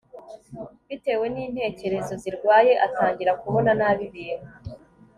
bitewe n'intekerezo zirwaye atangira kubona nabi ibintu